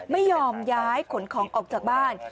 ไม่ยอมย้ายขนของออกจากบ้าน